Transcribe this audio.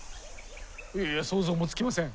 いやいや想像もつきません。